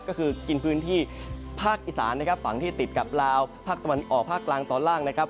ก็คือกินพื้นที่ภาคอีสานนะครับฝั่งที่ติดกับลาวภาคตะวันออกภาคกลางตอนล่างนะครับ